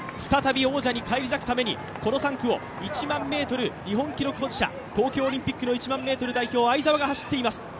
再び王者に返り咲くためにこの３区を１００００ｍの日本記録保持者、東京オリンピックの１００００ｍ代表相澤が走っています。